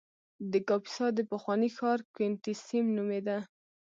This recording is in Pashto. د کاپیسا د پخواني ښار کوینټیسیم نومېده